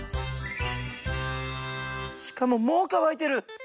しかももう乾いてる！